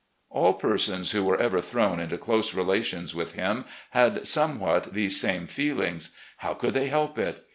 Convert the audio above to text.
All persons who were ever thrown into close relations with him had somewhat these same feelings. How could they help it?